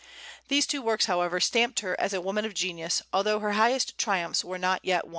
These two works, however, stamped her as a woman of genius, although her highest triumphs were not yet won.